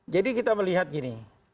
jadi kita melihat gini